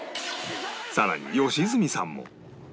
さらに良純さんも